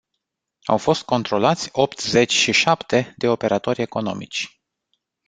Au fost controlați optzeci și șapte de operatori economici.